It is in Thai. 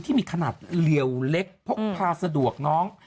ที่มีขนาดเหลี่ยวเล็กพกพาสะดวกน้อง